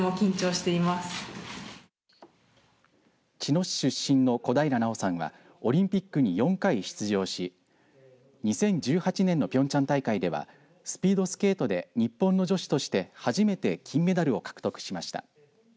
茅野市出身の小平奈緒さんはオリンピックに４回出場し２０１８年のピョンチャン大会ではスピードスケートで日本の女子として初めて金メダルを獲得しました。